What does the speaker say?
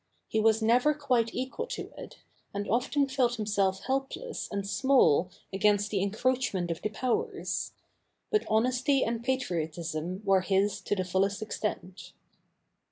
He was never quite equal to it, and often felt himself helpless and small against the encroachment of the Powers. But honesty and patriotism were his to the fullest extent.